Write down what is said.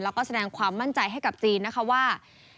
แล้วก็แสดงความมั่นใจให้กับจีนนะคะว่า